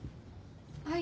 はい。